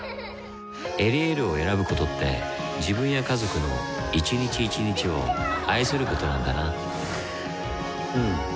「エリエール」を選ぶことって自分や家族の一日一日を愛することなんだなうん。